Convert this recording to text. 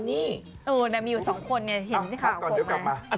แต่มีอยู่๒คนเห็นข่าวของมัน